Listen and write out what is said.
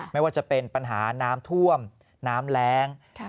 ไม่ว่าจะเป็นปัญหาน้ำท่วมน้ำแรง